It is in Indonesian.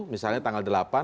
misalnya tanggal delapan